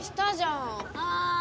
ああ！